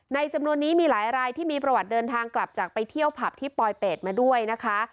จำนวนนี้มีหลายรายที่มีประวัติเดินทางกลับจากไปเที่ยวผับที่ปลอยเป็ดมาด้วยนะคะ